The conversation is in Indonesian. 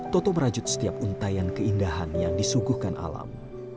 toto merajut setiap untayan keindahan yang disuguhkan alam